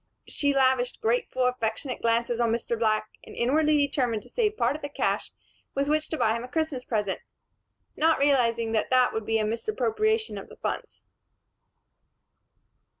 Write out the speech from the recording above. She lavished grateful, affectionate glances on Mr. Black and inwardly determined to save part of the cash with which to buy him a Christmas present, not realizing that that would be a misappropriation of funds.